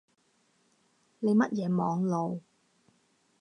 你乜嘢網路